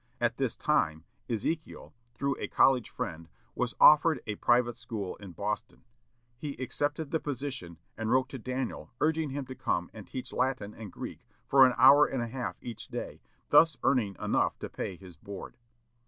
At this time Ezekiel, through a college friend, was offered a private school in Boston. He accepted the position, and wrote to Daniel urging him to come and teach Latin and Greek for an hour and a half each day, thus earning enough to pay his board.